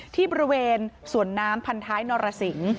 ที่บริเวณสวนน้ำพันท้ายนรสิง